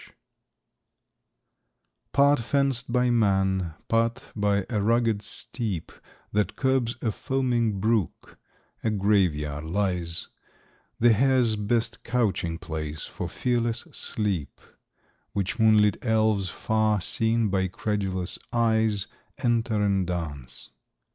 ] Part fenced by man, part by a rugged steep That curbs a foaming brook, a Grave yard lies; The hare's best couching place for fearless sleep; Which moonlit elves, far seen by credulous eyes, Enter in dance.